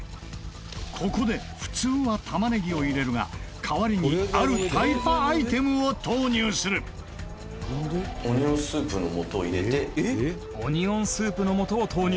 ここで普通は玉ねぎを入れるが代わりにあるタイパアイテムを投入する「オニオンスープの素を入れて」「オニオンスープの素を投入」